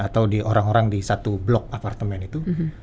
atau di orang orang di satu blok apartemen itu